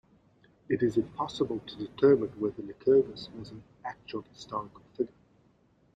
It is impossible to determine whether Lycurgus was an actual historical figure.